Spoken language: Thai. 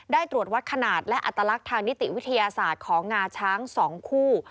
ตรวจวัดขนาดและอัตลักษณ์ทางนิติวิทยาศาสตร์ของงาช้าง๒คู่